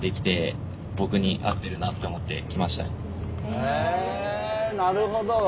へえなるほど。